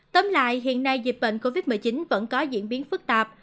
tóm lại hiện nay dịch bệnh covid một mươi chín vẫn có diễn biến phức tạp